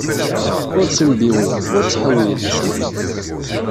Ur ttembiwil, ur ttḥewwil!